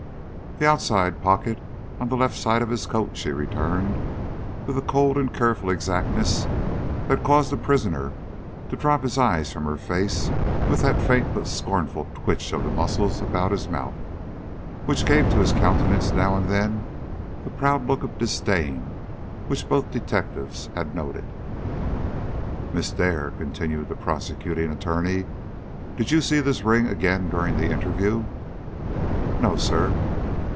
"The outside pocket on the left side of his coat," she returned, with a cold and careful exactness that caused the prisoner to drop his eyes from her face, with that faint but scornful twitch of the muscles about his mouth, which gave to his countenance now and then the proud look of disdain which both the detectives had noted. "Miss Dare," continued the Prosecuting Attorney, "did you see this ring again during the interview?" "No, sir."